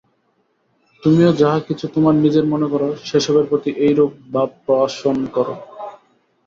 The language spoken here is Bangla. তুমিও যাহা কিছু তোমার নিজের মনে কর, সে-সবের প্রতি এইরূপ ভাব পোষণ কর।